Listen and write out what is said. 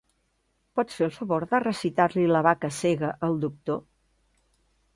¿Pots fer el favor de recitar-li La vaca cega al doctor?